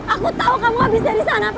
aku tau kamu abis dari sana pasti